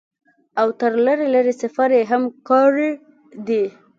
او تر لرې لرې سفرې هم کړي دي ۔